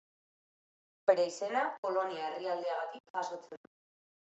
Bere izena Polonia herrialdeagatik jasotzen du.